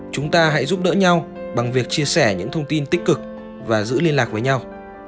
chúng ta hãy giúp đỡ nhau bằng việc chia sẻ những thông tin tích cực và giữ liên lạc với nhau